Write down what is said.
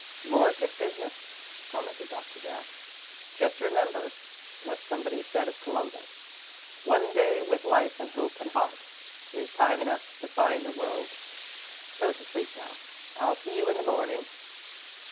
"More good business," commented Doctor Jack. "Just remember what somebody said of Columbus: 'One day, with life and hope and heart, is time enough to find a world.' Go to sleep now. I'll see you in the morning."